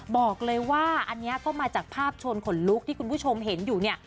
บอกเลยว่าอันนี้ก็มาจากภาพชนขนลุกที่คุณผู้ชมเห็นอยู่เนี่ย